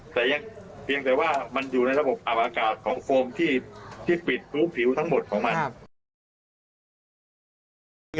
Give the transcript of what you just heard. แต่ยังเพียงแต่ว่ามันอยู่ในระบบอับอากาศของโฟมที่ปิดรูผิวทั้งหมดของมัน